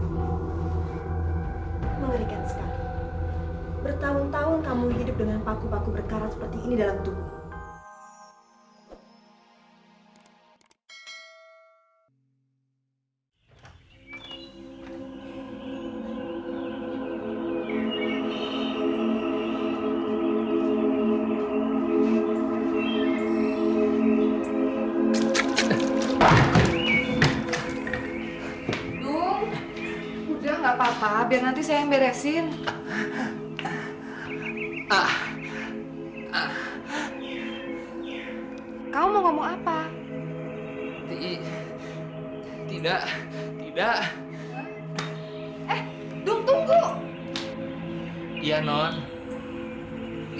jangan lupa like share dan subscribe channel ini